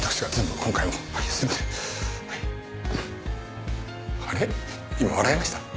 今笑いました？